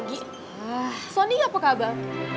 kirain apa tuh bang